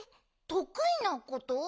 とくいなこと？